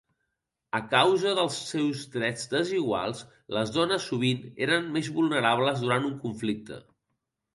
A causa dels seus drets desiguals, les dones sovint eren més vulnerables durant un conflicte.